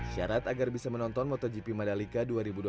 syarat agar bisa menonton motogp madalika dua ribu dua puluh tiga